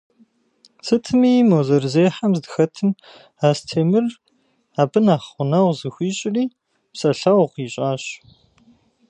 Сытми, мо зэрызехьэм здыхэтым, Астемыр абы нэхъ гъунэгъу зыхуищӏри, псэлъэгъу ищӏащ.